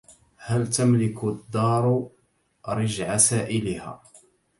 هل تملك الدار رجع سائلها